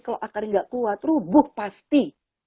kalau akarnya nggak kuat rubuh pasti